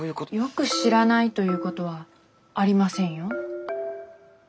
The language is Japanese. よく知らないということはありませんよ。